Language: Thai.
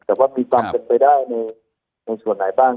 แต่ว่ามีความเป็นไปได้ในส่วนไหนบ้าง